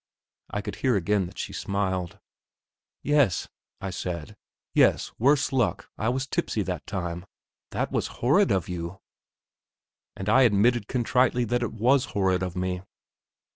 I could hear again that she smiled. "Yes," I said. "Yes, worse luck, I was tipsy that time." "That was horrid of you!" And I admitted contritely that it was horrid of me.